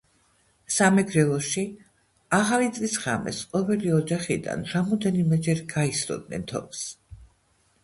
სამეგრელოში, ახალი წლის ღამეს ყოველი ოჯახიდან რამოდენიმეჯერ გაისროდნენ თოფს